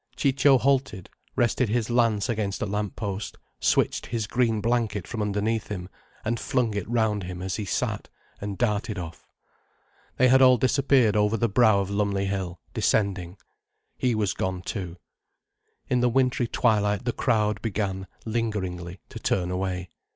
Ciccio halted, rested his lance against a lamp post, switched his green blanket from beneath him, flung it round him as he sat, and darted off. They had all disappeared over the brow of Lumley Hill, descending. He was gone too. In the wintry twilight the crowd began, lingeringly, to turn away.